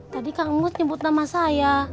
tadi kak mus nyebut nama saya